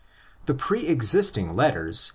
The pre existing '' letters'?